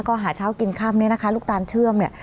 ก็หาเช้ากินข้ำนี่นะคะลูกตาลเชื่อม